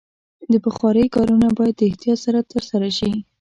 د بخارۍ کارونه باید د احتیاط سره ترسره شي.